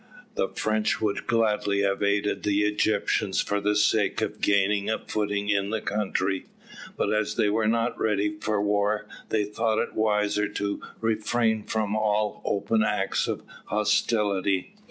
The French would gladly have aided the Egyptians for the sake of gaining a footing in the country, but as they were not ready for war they thought it wiser to refrain from all open acts of hostility.